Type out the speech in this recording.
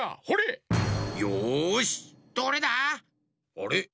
あれ？